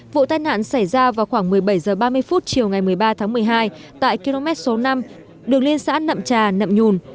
vụ tai nạn xảy ra vào khoảng một mươi bảy h ba mươi chiều ngày một mươi ba tháng một mươi hai tại km số năm đường liên xã nậm trà nậm nhùn